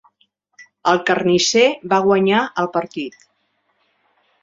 El carnisser va guanyar el partit.